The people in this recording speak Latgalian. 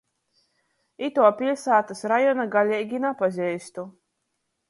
Ituo piļsātys rajona galeigi napazeistu.